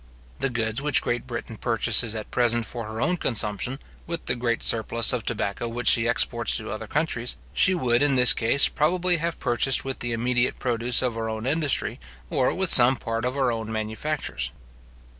The goods which Great Britain purchases at present for her own consumption with the great surplus of tobacco which she exports to other countries, she would, in this case, probably have purchased with the immediate produce of her own industry, or with some part of her own manufactures.